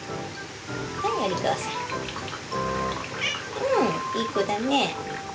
うんいい子だね。